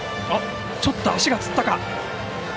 ちょっと足がつったか。